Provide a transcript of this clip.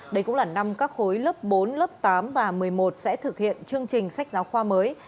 đây cũng là năm các khối lớp bốn lớp tám và một mươi một sẽ thực hiện chương trình sách giáo khoa mới